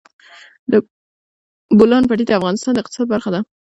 د بولان پټي د افغانستان د اقتصاد برخه ده.